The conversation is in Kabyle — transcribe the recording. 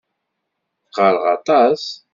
Qqareɣ aṭas.